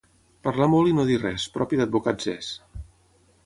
Parlar molt i no dir res, propi d'advocats és.